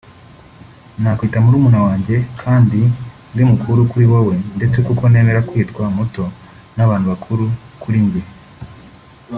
nakwita murumuna wanjye kuko ndi mukuru kuri wowe ndetse kuko nemera kwitwa muto n’abantu bakuru kuri njye